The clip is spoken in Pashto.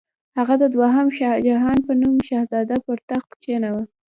هغه د دوهم شاهجهان په نوم شهزاده پر تخت کښېناوه.